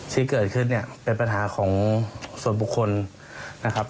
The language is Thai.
ที่เกิดขึ้นเนี่ยเป็นปัญหาของส่วนบุคคลนะครับ